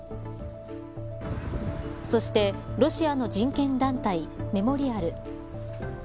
そして、ロシアの人権団体メモリアル。